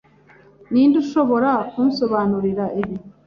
Ninde ushobora kunsobanurira ibi?